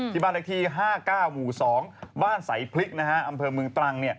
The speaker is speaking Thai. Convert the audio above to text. บ้านเลขที่๕๙หมู่๒บ้านสายพริกอำเภอเมืองตรัง